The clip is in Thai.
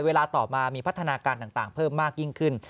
เวลาต่อมามีพัฒนาการต่างเพิ่มมากยิ่งขึ้น